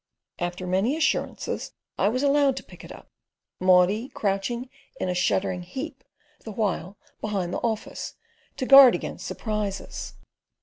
After many assurances, I was allowed to pick it up, Maudie crouching in a shuddering heap the while behind the office, to guard against surprises.